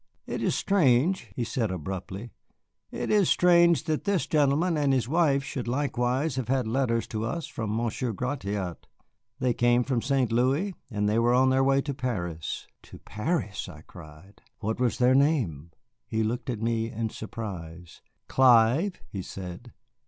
"It is strange," he said abruptly, "it is strange that this gentleman and his wife should likewise have had letters to us from Monsieur Gratiot. They came from St. Louis, and they were on their way to Paris." "To Paris?" I cried; "what was their name?" He looked at me in surprise. "Clive," he said.